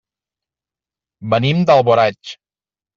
Venim d'Alboraig.